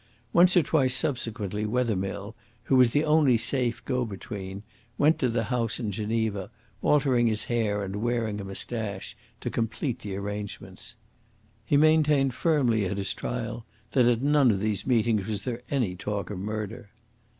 Once or twice subsequently Wethermill, who was the only safe go between, went to the house in Geneva, altering his hair and wearing a moustache, to complete the arrangements. He maintained firmly at his trial that at none of these meetings was there any talk of murder.